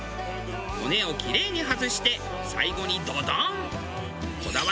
骨をキレイに外して最後にドドン！